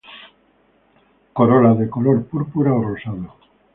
Corola de color púrpura o rosado.